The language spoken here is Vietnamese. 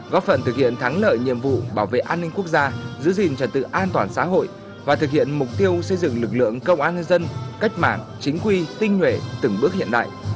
góp phần thực hiện thắng lợi nhiệm vụ bảo vệ an ninh quốc gia giữ gìn trật tự an toàn xã hội và thực hiện mục tiêu xây dựng lực lượng công an nhân dân cách mạng chính quy tinh nhuệ từng bước hiện đại